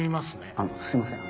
あのすいません